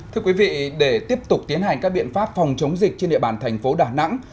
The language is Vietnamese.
thưa quý vị để tiếp tục tiến hành các biện pháp phòng chống dịch trên địa bàn thành phố đà nẵng